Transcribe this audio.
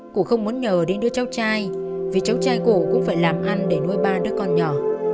cụ không muốn nhờ đi đứa cháu trai vì cháu trai cổ cũng phải làm ăn để nuôi ba đứa con nhỏ